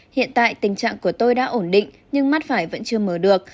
hiện tại tình trạng của tôi đã ổn định nhưng mắt phải vẫn chưa mở được